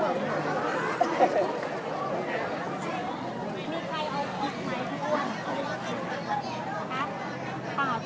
และที่อยู่ด้านหลังคุณยิ่งรักนะคะก็คือนางสาวคัตยาสวัสดีผลนะคะ